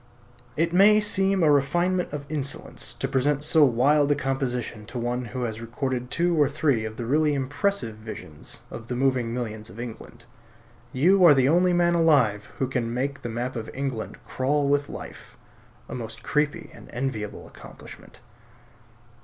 It may seem a refinement of insolence to present so wild a composition to one who has recorded two or three of the really impressive visions of the moving millions of England. You are the only man alive who can make the map of England crawl with life; a most creepy and enviable accomplishment.